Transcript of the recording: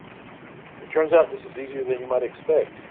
It turns out this is easier than you might expect.